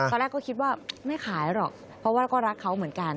ตอนแรกก็คิดว่าไม่ขายหรอกเพราะว่าก็รักเขาเหมือนกัน